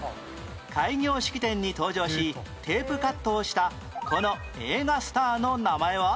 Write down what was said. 開業式典に登場しテープカットをしたこの映画スターの名前は？